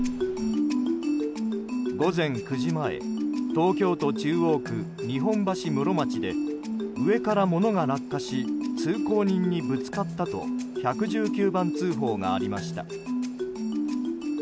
午前９時前東京都中央区日本橋室町で上から物が落下し通行人にぶつかったと１１９番通報がありました。